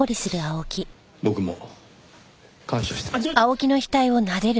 僕も感謝してる。